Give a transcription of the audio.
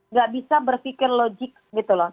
nggak bisa berpikir logik gitu loh